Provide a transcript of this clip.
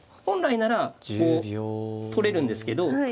本来ならこう取れるんですけど。